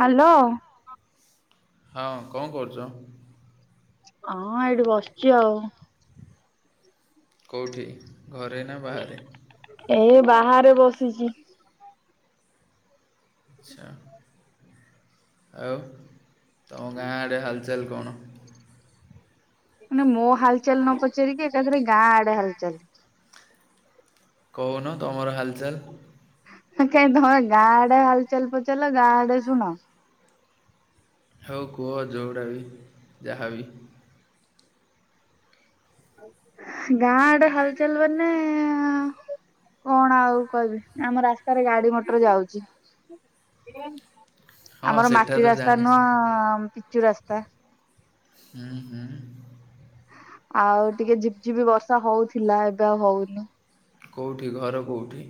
Hello. ହଁ କଣ କରୁଚ? ହଁ ଏଇଠି ବସିଛି ଆଉ। କୋଉଠି ଘରେ ନା ବାହାରେ? ଏଇ ବାହାରେ ବସିଚି। ଆଚ୍ଛା ଆଉ ତମ ଗାଁ ଆଡ଼େ ହାଲଚାଲ କଣ? ମାନେ ମୋ ହାଲଚାଲ ନ ପଚାରିକି ଏକାଥରେ ଗାଁ ଆଡେ ହାଲଚାଲ। କହୁନ ତମର ହାଲଚାଲ୍। କାହିଁ ତମେ ଗାଁ ଆଡେ ହାଲଚାଲ ପଚାରିଲ ଗାଁ ଆଡ଼େ ଶୁଣ। ଆଉ କୁହ ଯୋଉଟାବି ଯାହାବି? ଗାଁଆଡେ ହାଲଚାଲ ମାନେ କଣ ଆଉ କହିବି ଆମ ରାସ୍ତାରେ ଗାଡି ମଟର ଯାଉଚି। ହଁ ଆମର ସେଟା ମାଟି ତ ରାସ୍ତା ଜାଣିଛି। ନୁହଁ ପିଚୁ ରାସ୍ତା। ହୁଁ ହୁଁ। ଆଉ ଟିକେ ଝିପ୍ ଝିପ୍ ବର୍ଷା ହଉଥିଲା ଏବେ ଆଉ ହଉନି। କଉଠି ଘର କଉଠି?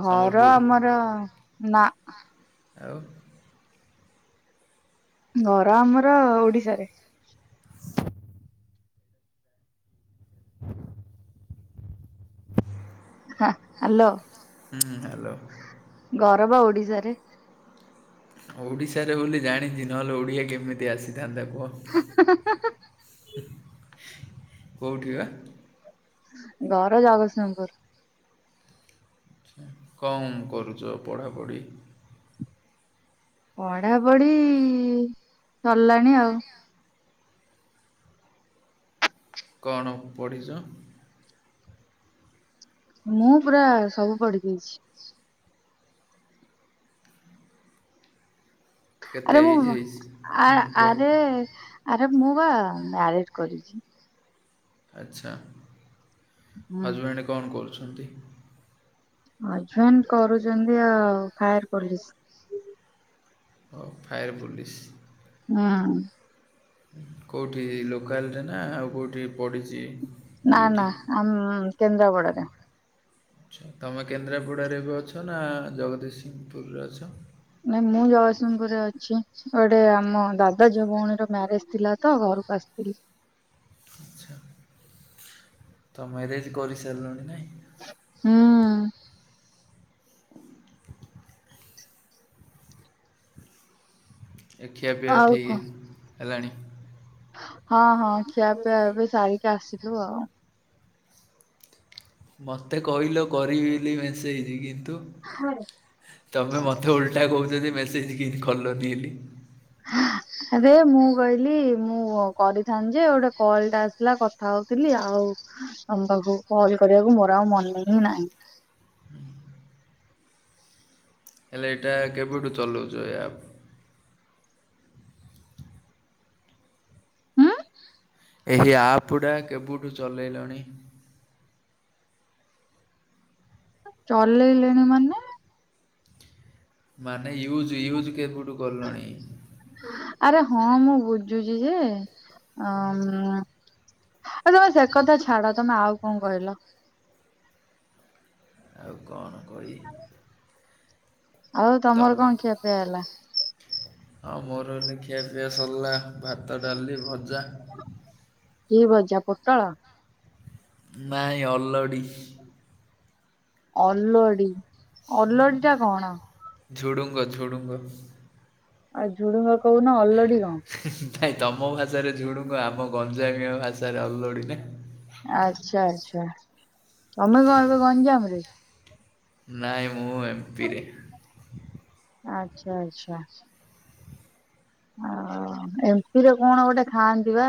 ଘର ଆମର ନା। ଆଉ। ଘର ଆମର ଓଡିଶାରେ। [inaudible] ହଁ ହାଲୋ। ହୁଁ ହୁଁ ହାଲୋ। ଘର ପା ଓଡିଶାରେ। ଓଡ଼ିଶାରେ ବୋଲି ଜାଣିଚି ନହେଲେ ଓଡ଼ିଆ କେମିତି ଆସିଥାନ୍ତା କୁହ। ହୁଁ ହ୍ନା ହ୍ନା। କୋଉଠି ବା? ଘର ଜଗତସିଂହପୁର। କଁ କରୁଚ ପଢ଼ାପଢ଼ି? ପଢାପଢି ସରିଲାଣି ଆଉ। କଣ ପଢିଚ? ମୁଁ ପୁରା ସବୁ ପଢି ଦେଇଚି। କେତେ ଆରେ ଏଜ୍ ମୁଁ ହେଇଛି? ଆ ହୁଁ କୁହ। ଆରେ ଆରେ ମୁଁ ବା ମ୍ୟାରେଡ କରିଚି। ଆଚ୍ଛା ହୁଁ ହଜବ୍ୟାଣ୍ଡ କଣ କରୁଛନ୍ତି? ହଜବେଣ୍ଟ କରୁଛନ୍ତି ଆଉ ଫାୟାର ପୋଲିସ୍। ଓ ଫାୟାର ପୋଲିସ୍। ହୁଁ। କୋଉଁଠି ଏଇ ଲୋକାଲେରେ ନା ଆଉ କୋଉଠି ପଡ଼ିଚି। ନା ନା ଆମ କେନ୍ଦ୍ରାପଡ଼ାରେ। ଆଚ୍ଛା ତମେ କେନ୍ଦ୍ରାପଡ଼ାରେ ଏବେ ଅଛ ନା ଜଗଦୀଶସିଂହପୁରରେ ଅଛ। ନାଇ ମୁଁ ଜଗତସିଂହପୁରରେ ଅଛି। ଗୋଟେ ଆମ ଦାଦା ଝିଅ ଭଉଣୀର ମ୍ୟାରେଜ ଥିଲା ତ ଘରକୁ ଆସିଥିଲି। ଆଚ୍ଛା ତ ମ୍ୟାରେଜ୍ କରିସାରିଲଣି ନାଇଁ। ହୁଁ। ଏ ଖିଆ ପିଆ ଆଉ କଣ ଠିକ୍ ହେଲାଣି। ହଁ ହଁ ଖିଆ ପିଆ ଏବେ ସାରିକି ଆସିଲୁ ଆଉ। ମୋତେ କହିଲ କରିବି ବୋଲି ମେସେଜ୍ କିନ୍ତୁ ତମେ ମତେ ଓଲ ଟା କହୁଚଯେ ମେସେଜ୍ କିମଟି କଲନି ବୋଲି। [unintelligible] ଆରେ ମୁଁ କହିଲି ମୁଁ କରିଥାନ୍ତି ଯେ ଗୋଟେ କଲ୍ ଟା ଆସିଲା କଥା ହଉଥିଲି ଆଉ ତମ ପାଖକୁ କଲ୍ କରିବାକୁ ମୋର ଆଉ ମନେ ହିଁ ନାହିଁ। ହେଲେ ଏଟା କେବେଠୁ ଚଲଉଚ ଏ ଆପ୍? ଉଁ। ଏହି ଆପ୍ ଟା କେବୁଠୁ ଚଲେଇଲଣି? ଚଲେଇଲେଣି ମାନେ। ମାନେ ୟୁଜ୍ ୟୁଜ୍ କେବେଠୁ କଲଣି? ଆରେ ହଁ ମୁଁ ବୁଝୁଛି ଯେ ଅ ଆ ତମେ ସେ କଥା ଛାଡ଼ ତମେ ଆଉ କଣ କହିଲ? ଆଉ କଣ କହି ଆଉ ତ ତମର କଣ ଖିଆ ପିଆ ହେଲା। ହଁ ମୋର ଏଇନା ଖିଆ ପିଆ ସରିଲା ଭାତ ଡାଲି ଭଜା। କି ଭଜା ପୋଟଳ? ନାଇଁ ଅଲଡ଼ି। ଅଲୋଡି। ଅଲଡି ଟା କଣ ଝୁଡୁଙ୍ଗ ଝୁଡୁଙ୍ଗ। ଆଉ ଝୁଡୁଙ୍ଗ କହୁନ ଅଲଡି କଣ? ହୁ ହୁ ହୁ ନାଇଁ ତମ ଭାଷାରେ ଝୁଡ଼ୁଙ୍ଗ ଆମ ଗଞ୍ଜାମିଆ ଭାଷାରେ ଅଲୋଡ଼ି ନା? ଆଚ୍ଛା ଆଚ୍ଛା ତମେ କଣ ଏବେ ଗଞ୍ଜାମରେ। ନାଇଁ ମୁଁ ଏମ୍ପିରେ। ଆଚ୍ଛା ଆଚ୍ଛା। ଅ ଏମ୍ପିରେ କଣ ଗୋଟେ ଖାଆନ୍ତି ବା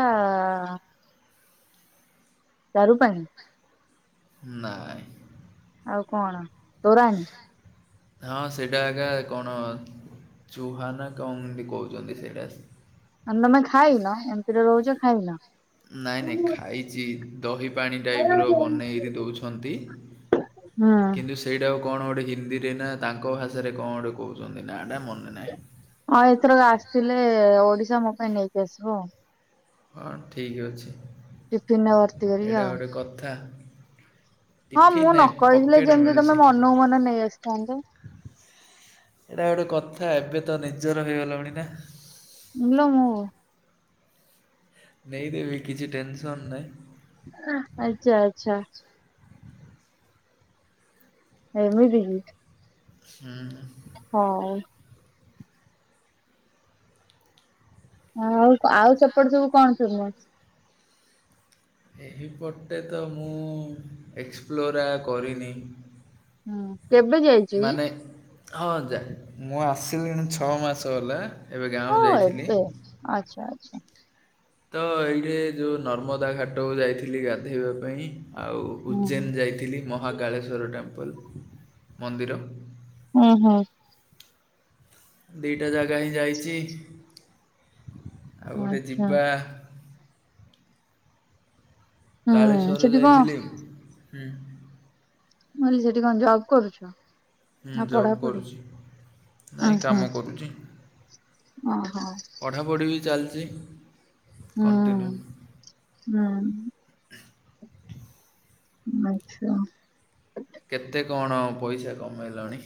ଚାରୁ ପାଣି? ନାଇଁ। ଆଉ କଣ ତୋରାଣୀ। ହଁ ସେଇଟା ଆଗା କଣ ଚୁହା ନା କଣ ଏମିତି କହୁଛନ୍ତି ସେଇଟା ସ ଆନ ତମେ ଖାଇନ ଏମ୍ପିରେ ରହୁଚ ଖାଇନ? ନାଇଁ ନାଇଁ ହୁଁ ଖାଇଚି ଦହି ପାଣି ଟାଇପ୍ ହଁ ର ବନେଇକି ଦେଉଛନ୍ତି। ହଁ। କିନ୍ତୁ ସେଇଟାକୁ କଣ ଗୋଟେ ହିନ୍ଦୀରେ ନା ତାଙ୍କ ଭାଷାରେ କଣ ଗୋଟେ କହୁଛନ୍ତି ନା ଟା ମନେ ନାହିଁ। ଅ ଏଥରକ ଆସିଥିଲେ ଓଡିଶା ମୋ ପାଇଁ ନେଇକି ଆସିବ ଆଉ। ହଁ ଠିକ୍ ଅଛି ଟିଫିନ୍ ରେ ଭର୍ତ୍ତି କରିକି ଆଉ ଏଇଟା ଗୋଟେ କଥା। ହଁ ମୁଁ ଟିଫିନ୍ ନ ନାଇଁ କହିଥିଲି ପକେଟ୍ ଯେମିତି ତମେ ମନ କୁ ମନ ନେଇ ଆସିଥାନ୍ତେ। ଏଟା ଗୋଟେ କଥା ଏବେ ତ ନିଜର ହେଇଗଲଣି ନା। ଇଲ ମୋ ନେଇଦେବି କିଛି ଟେନସନ୍ ନାହିଁ। ଆଚ୍ଛା ଆଚ୍ଛା। ଏମିତି କି? ହୁଁ। ହଉ। ଆଉ ଆଉ ସେପଟେ ସବୁ କଣ ଫେମସ୍? ଏହିପଟେ ତ ମୁଁ ଏକ୍ସପ୍ଲୋରା କରିନି। ହୁଁ କେବେ ଯାଇଛୁ କି? ମାନେ ହଁ ଯା ମୁଁ ଆସିଲିଣି ଛଅ ମାସ ହେଲା। ଏବେ ଗାଁକୁ ହଁ ଯାଇଥିଲି। ଆଚ୍ଛା ଆଚ୍ଛା। ତ ଏଇଠେ ଯୋଉ ନର୍ମଦା ଘାଟକୁ ଯାଇଥିଲି ଗାଧୋଇବା ପାଇଁ ଆଉ ହୁଁ ଉଜେନ ଯାଇଥିଲି ମହାକାଳେଶ୍ୱର ଟେମ୍ପଲ୍ ମନ୍ଦିର। ହୁଁ ହୁଁ। ଦିଟା ଜାଗା ହିଁ ଯାଇଚି ଆଉ ଗୋଟେ ଆଚ୍ଛା ଯିବା। ହୁଁ କାଳେଶ୍ଵର ସେଠି କଣ ଯାଇଥିଲି ହୁଁ। ମୁଁ କହିନି ସେଠି କଣ ଜବ୍ କରୁଛ? ହଁ ନା ଜବ୍ ପଢାପଢି? କରୁଛି ଉଁ ନାଇଁ ହୁଁ କାମ କରୁଛି। ଓହୋ। ପଢ଼ାପଢ଼ି ବି ଚାଲିଛି କଣ୍ଟିନ୍ୟୁ। ହୁଁ ହୁଁ। ଆଚ୍ଛା। କେତେ କଣ ପଇସା କମେଇଲଣି?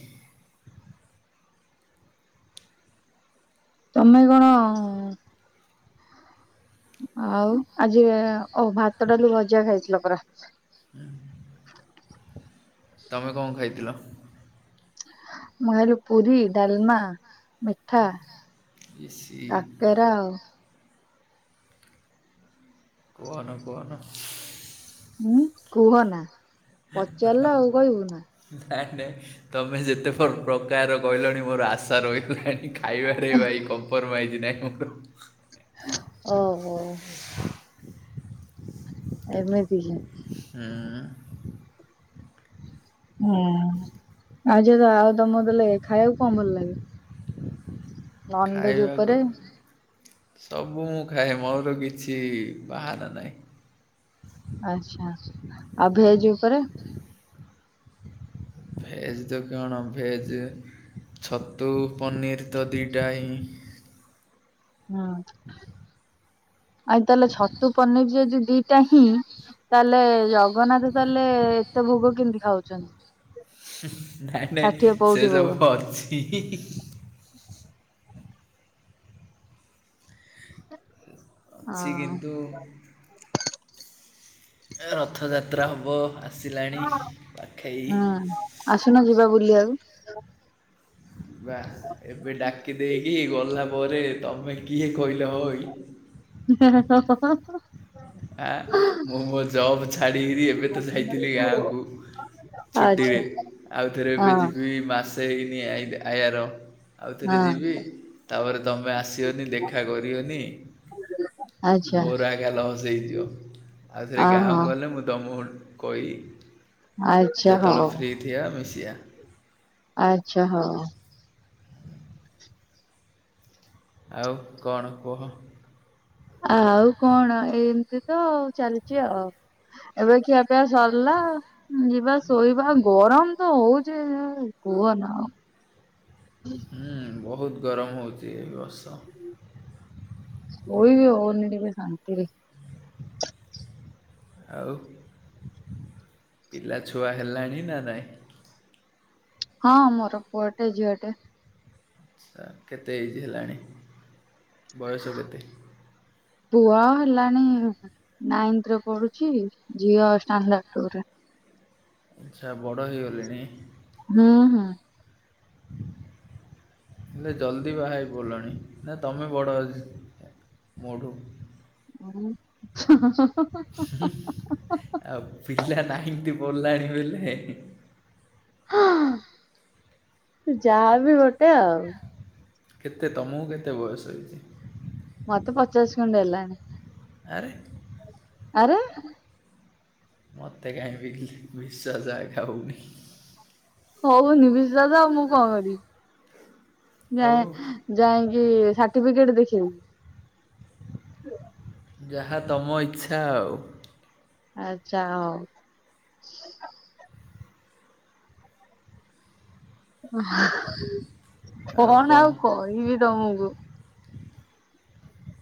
ତମେ କଣ ଆଉ ଆଜି ଓ ଭାତ ଡାଲି ଭଜା ଖାଇଥିଲ ପରା। ହୁଁ ତମେ କଣ ଖାଇଥିଲ? ମୁଁ [unintelligible] ପୁରୀ ଡାଲମା ମି ଠା ଇସି କାକେରା ଆଉ। କୁହନା କୁହନା। ହୁଁ କୁହନା। [unintelligible] ହାଁ। ନାଇଁ ନାଇଁ ତମେ ଯେତେ ପ୍ର ପ୍ରକାର କହିଲଣି ମୋର ଆଶା ରହିଗଲାଣି। ଖାଇବାଟାରେ ଭାଇ କମ୍ପମାଇଜ ନାଇଁ [unintelligible] ଓହୋ। ଏମିତି କି? ହୁଁ। ହୁଁ ଆଉ ଯୋଉ ଆଉ ତମ ଦେଲେ ଖାଇବାକୁ କଣ ଭଲ ଲାଗେ? ନନଭେଜ ଖାଇବାକୁ ଉପରେ ସବୁ ମୁଁ ଖାଏ ମୋର କିଛି ବାହାନା ନାହିଁ। ଆଚ୍ଛା ଆଉ ଭେଜ ଉପରେ? ଭେଜ୍ ତ କଣ ଭେଜ୍ ଛତୁ ପନିର୍ ତ ଦୁଇଟା ହିଁ। ହଁ। ଠିକ୍ଞା ଆଉ ତାହେଲେ ଛତୁ ପନିର ଯଦି ଦିଟା ହିଁ ତାହେଲେ ଜ ଜଗନ୍ନାଥ ତାହେଲେ ଏତେ ଭୋଗ କେମିତି ଖାଉଛନ୍ତି? ନାଇଁ ନାଇଁ ଷାଠିଏ ସେ ପଉଟି ଭୋଗ ସବୁ ଅଛି। ହିଁ ହିଁ ଅଛି ହଁ କିନ୍ତୁ ଏ ରଥଯାତ୍ରା ହବ। ଆ ହୁଁ ଆସୁନ ଯିବା ବୁଲିବାକୁ। ବା ଏବେ ଡାକି ଦେଇକି ଗଲା ପରେ ତମେ କିଏ କହିଲ ହଇ ହଁ ହଁ ହଁ ହଁ। ଆ ମୁଁ ମୋ ଜବ୍ ଛାଡ଼ିକିରି ଏବେ ତ ଯାଇଥିଲି ଗାଁକୁ। ଆଚ୍ଛା ଛୁଟିରେ ଆଉଥରେ ଏବେ ହଁ ଯିବି ମାସ ହେଇନି ଆଇତେ ଆୟାର ଆଉଥରେ ହଁ ଯିବି ତାପରେ ତୁମେ ଆସିବନି ଦେଖା କରିବନି। ଆଚ୍ଛା ମୋର ଆଜ୍ଞା ଲସ ହେଇଥିବ ଆଉ ଥରେ ଅ ଗାଁ ହଁ କୁ ଗଲେ ମୁଁ ତମକୁ କହିବି। ଆଚ୍ଛା ଯେତେବେଳେ ହଉ ଫ୍ରି ଥିବା ମିଶିବା। ଆଚ୍ଛା ହଉ। ଆଉ କଣ କୁହ। ଆଉ କଣ ଏମତି ତ ଚାଲିଛି ଆଉ ଏବେ ଖିଆ ପା ସରିଲା ଯିବା ଶୋଇବା ଗରମ ତ ହଉଚେ ଆଉ କୁହନ ଆଉ। ହଁ ବହୁତ ଗରମ ହେଉଛି ଏ ବର୍ଷ। ସୋଇ ବି ହଉନି ଟିକେ ଶାନ୍ତିରେ। ଆଉ ପିଲା ଛୁଆ ହେଲାଣି ନା ନାଇଁ? ହଁ ମୋର ପୁଅଟେ ଝିଅଟେ। ଆଚ୍ଛା କେତେ ଏଇଜ୍ ହେଲାଣି ବୟସ କେତେ? ପୁଅ ହେଲାଣି ନାଇନ୍ତ ରେ ପଢୁଛି ଝିଅ ଷ୍ଟାଣ୍ଡାର୍ଡ ଟୁ ରେ। ଆଚ୍ଛା ବଡ଼ ହେଇଗଲେଣି। ହୁଁ ହୁଁ। [inaudible] ହେଲେ ଜଲ୍ଦି ବାହା ହେପଡ଼ିଲଣି ନା ତମେ ବଡ଼ ମୋ ଠୁ ହ ହ ହ ହ ହ ହ। ଆଉ ପିଲା ନାଇଁଥ ପଡ଼ିଲାଣି ବୋଇଲେ ହ ଯାହାବି ଗୋଟେ ଆଉ। କେତେ ତମକୁ କେତେ ବୟସ ହେଇଛି? ମତେ ପଚାଶ ଖଣ୍ଡେ ହେଲାଣି। ଆରେ ଆରେ ମୋତେ କାହିଁ ବିଲିଭ ବିଶ୍ୱାସ ଆକା ହଉନି। ହଉନି ବିଶ୍ୱାସ ଆଉ ମୁଁ କଣ କରିବି। ହଉ ଯଏ ଯାଇକି ସାର୍ଟିଫିକେଟ ଦେଖେଇବି। ଯାହା ତମ ଇଚ୍ଛା ଆଉ। ଆଚ୍ଛା ହଉ। ଓ କଣ ଆଉ କହିବି ତମକୁ।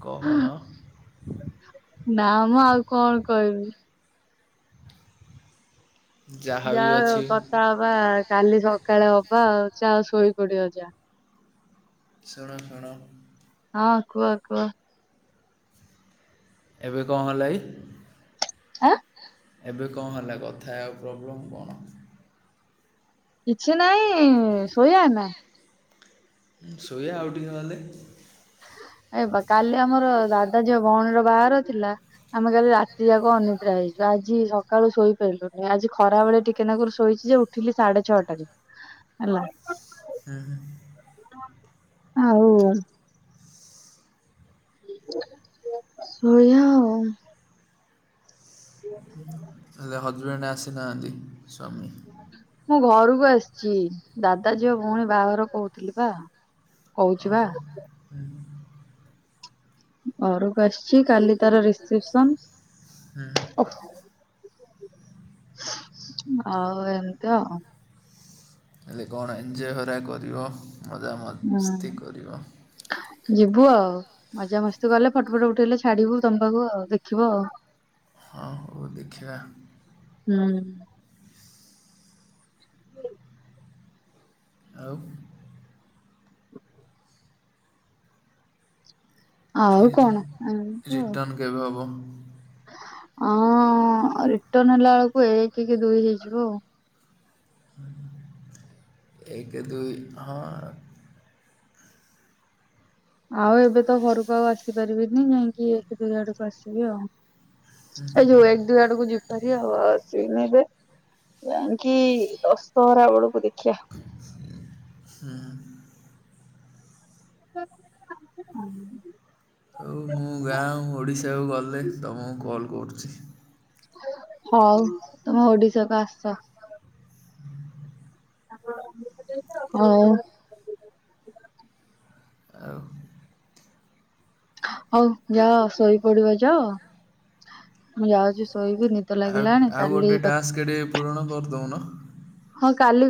କହୁନ। ନା ମୁଁ ଆଉ କଣ କହିବି। ଯାହା ଯା ବି ଅଛି କଥା ହବା କାଲି ସକାଳେ ହବା ଆଉ ଯାଅ ଶୋଇ ପଡିବ ଯା। ଶୁଣ ଶୁଣ। ହଁ କୁହ କୁହ। ଏବେ କଣ ହେଲା କି? ଆଁ ଏବେ କଣ ହେଲା କଥା ହେବାକୁ ପ୍ରୋବ୍ଲେମ୍ କଣ? କିଛି ନାଇଁ ଶୋଇବା ନା। ଶୋଇବା ଆଉ ଟିକେ ଗଲେ। ଏ କାଲି ଆମର ଦାଦା ଝିଅ ଭଉଣୀର ବାହାଘର ଥିଲା। ଆମେ କାଲି ରାତି ଯାକ ଅନିଦ୍ରା ହେଇଛୁ ଆଜି ସକାଳୁ ଶୋଇପାରିଲୁନି ଆଜି ଖରା ବେଳେ ଟିକେନାକରୁ ଶୋଇଛି ଯେ ଉ ଠିଲି ସାଢେ ଛଅଟାରେ ହେଲା। ହୁଁ ହୁଁ। ଆଉ ସୋଇଆ ଆଉ। ହେଲେ ହଜବେଣ୍ଡ ଆସିନାହାନ୍ତି ସ୍ଵାମୀ? ମୁଁ ଘରକୁ ଆସିଛି ଦାଦା ଝିଅ ଭଉଣୀ ବାହାଘର କହୁଥିଲି ପା। ଓହୋ। ଘରକୁ ଆସିଛି କାଲି ତାର ହୁଁ ହୁଁ ରିସେପସନ ଓହ ଆଉ ଏମିତି ଆ। ହେଲେ କଣ ଏଞଜୟ ହେରା କରିବ ହୁଁ। ମଜାମସ୍ତି କରିବ। ଯିବୁ ଆଉ। ମଜା ମସ୍ତି କଲେ ଫଟୋ ଫଟ ଉଠେଇଲେ ଛାଡିବୁ ତମ ପାଖକୁ ଆଉ ଦେଖିବ ଆଉ। ହଁ ହୋଉ ଦେଖିବା। ହୁଁ। [unintelligible] ଆଉ। ଆଉ ଫିର୍ କଣ? ରିଟର୍ଣ୍ଣ କେବେ ହବ? ହଁ ରିଟର୍ଣ ହେଲା ବେଳକୁ ଏକ କି ଦୁଇ ହେଇଯିବ ଆଉ। ଏକ ଦୁଇ ହଁ ଆଉ ଏବେ ତ ଘରକୁ ଆଉ ଆସିପାରିବିନି ଯାଇକି ଏକ ଦୁଇ ଆଡକୁ ଆସିବି ଆଉ। ଏ ଯୋଉ ଏକ ଦୁଇ ଆଡକୁ ଯିବି ହାରି ଆଉ ଆସିବିନି ଏବେ। ଯାଇକି ଦଶହରା ବେଳକୁ ଦେଖିିଆ। ହୁଁ। [unintelligible] ଆଉ ମୁଁ ଗାଁ ଓଡ଼ିଶାକୁ ଗଲେ ତମକୁ କଲ୍ କରୁଚି। ହଉ ତମେ ଓଡିଶା କୁ ଆସ। [unintelligible] ଆଉ? ହଉ ଯାଅ ଶୋଇପଡିବ ଯାଅ ମୁଁ ଯାଉଚି ଶୋଇବି ନି ଆଉ ଆଉ ଗୋଟେ ଟାସ୍କ ଟେ ପୂରଣ କରିଦଉନ? ହଁ କାଲି